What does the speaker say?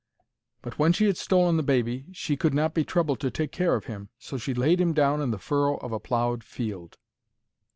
But when she had stolen the baby, she could not be troubled to take care of him. So she laid him down in the furrow of a ploughed field.